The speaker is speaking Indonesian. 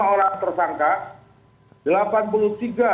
lima orang tersangka